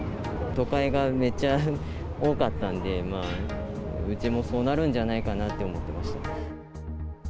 都会がめっちゃ多かったんで、まあ、うちもそうなるんじゃないかなと思ってました。